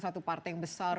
satu partai yang besar